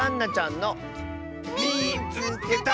「みいつけた！」。